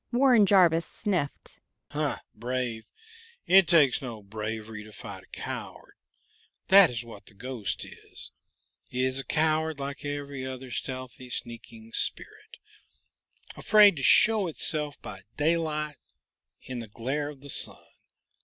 Warren Jarvis sniffed. "Huh! Brave? It takes no bravery to fight a coward that is what the ghost is. It's a coward like every other stealthy, sneaking spirit, afraid to show itself by daylight, in the glare of the sun.